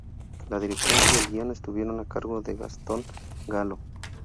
La dirección y el guion estuvieron a cargo de Gastón Gallo.